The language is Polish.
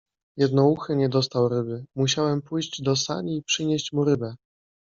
Jednouchy nie dostał ryby. Musiałem pójść do sani i przynieść mu rybę.